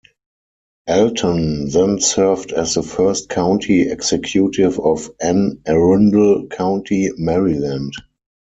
Alton then served as the first County Executive of Anne Arundel County, Maryland.